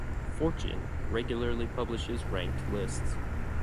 "Fortune" regularly publishes ranked lists.